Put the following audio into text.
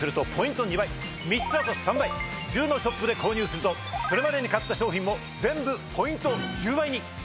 １０のショップで購入するとそれまでに買った商品も全部ポイント１０倍に！